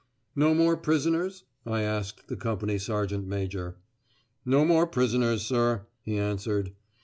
"No more prisoners?" I asked the company sergeant major. "No more prisoners, sir," he answered.